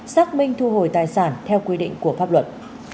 xác minh thu hồi tài sản theo quy định của pháp luật